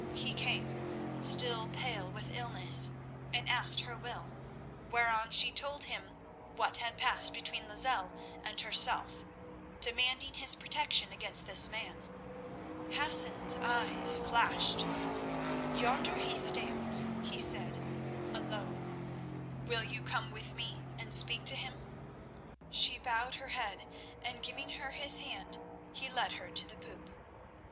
He came, still pale with illness, and asked her will, whereon she told him what had passed between Lozelle and herself, demanding his protection against this man. Hassan's eyes flashed. "Yonder he stands," he said, "alone. Will you come with me and speak to him?" She bowed her head, and giving her his hand, he led her to the poop.